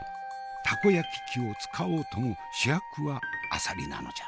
たこ焼き器を使おうとも主役はあさりなのじゃ。